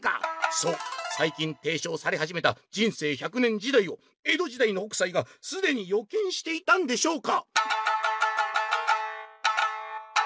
「そうさい近ていしょうされはじめた『人生１００年時代』を江戸時代の北斎がすでに予見していたんでしょうか⁉」。